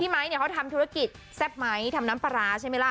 ไมค์เนี่ยเขาทำธุรกิจแซ่บไหมทำน้ำปลาร้าใช่ไหมล่ะ